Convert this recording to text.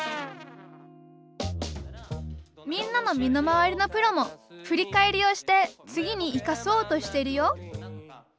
みんなの身の回りのプロも振り返りをして次に生かそうとしてるよ。